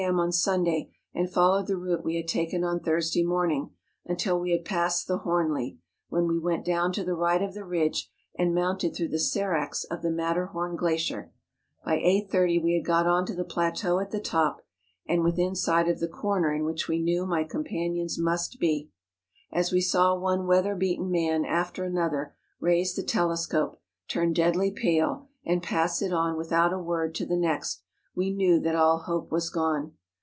m. on Sunday, and followed the route we had taken on Thursday morn¬ ing until we had passed the Hornli, when we went down to the right of the ridge and mounted through the seracs of the Matterhorn glacier. By 8.30 we liad got on to the plateau at the top, and within sight of the corner in which we knew my com¬ panions must be. As we saw one weather beaten man after another raise the telescope, turn deadly pale, and pass it on without a word to the next we knew that all hope was gone.